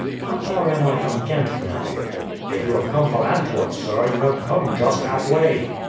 How far am I from Ghent now?" "If you have come from Antwerp, sir, you have come just halfway."